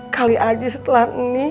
kali aja setelah ini